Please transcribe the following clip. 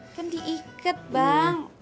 kan diikat bang